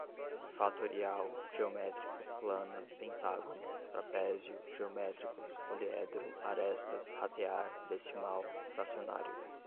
fatorial, geométrica, plana, pentágono, trapézio, geométricos, poliedro, arestas, ratear, decimal, fracionário